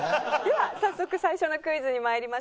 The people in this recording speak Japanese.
では早速最初のクイズにまいりましょう。